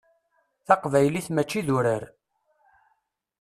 Taqbaylit mačči d urar.